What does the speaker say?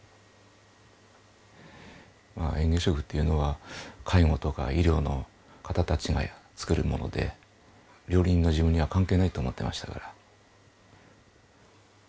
まあ嚥下食っていうのは介護とか医療の方たちが作るもので料理人の自分には関係ないと思っていましたから。